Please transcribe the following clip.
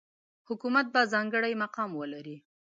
حکومت به ځانګړی مقام ولري.